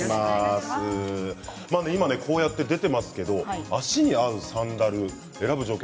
今、出ていますけど足に合うサンダルを選ぶ条件